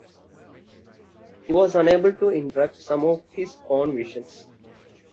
He was unable to interpret some of his own visions.